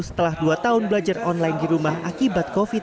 setelah dua tahun belajar online di rumah akibat covid sembilan belas